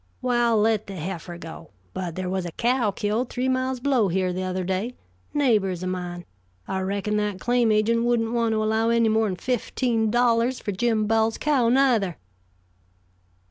"Well, let the heifer go. But there was a cow killed three miles below here the other day. Neighbors of mine. I reckon that claim agent wouldn't want to allow any more than fifteen dollars for Jim Bowles' cow, neither."